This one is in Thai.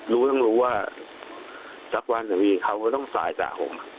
รู้ต้องรู้ว่าสักวันเขาก็ต้องสายจากผม